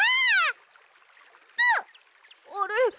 あれ？